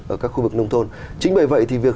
ở các khu vực nông thôn chính bởi vậy thì việc